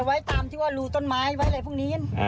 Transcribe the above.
ไว้เท่านั้น